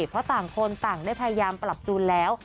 เพราะต่างคนต่างได้พยายามปรับจูนแล้ว